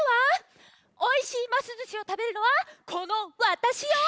おいしいますずしをたべるのはこのわたしよ！